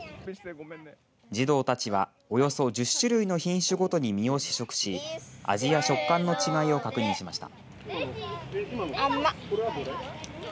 児童たちはおよそ１０種類の品種ごとに実を試食し味や食感の違いを確認しました。